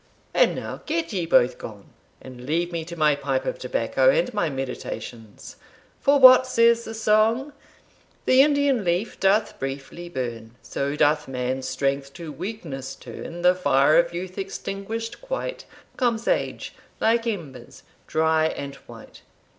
And now, get ye both gone, and leave me to my pipe of tobacco, and my meditations; for what says the song The Indian leaf doth briefly burn; So doth man's strength to weakness turn The fire of youth extinguished quite, Comes age, like embers, dry and white.